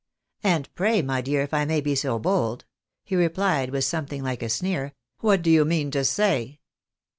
" And pray, my dear, if I may be so bold," he replied, with something Uke a sneer, " what do you mean to say?